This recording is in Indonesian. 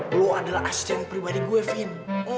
lo adalah asisten pribadi gue fin